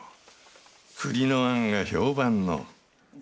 栗のあんが評判の。